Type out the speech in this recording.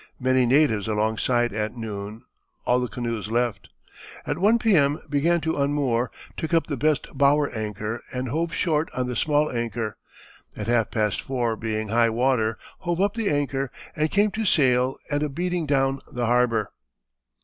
Many natives alongside, at noon all the canoes left. At 1 P.M. began to unmoor, took up the best bower anchor and hove short on the small anchor; at half past four being high water hove up the anchor and came to sail and a beating down the harbour.